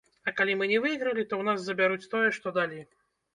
А калі мы не выйгралі, то ў нас забяруць тое, што далі.